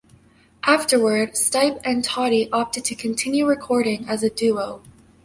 Afterward, Stipe and Totty opted to continue recording as a duo.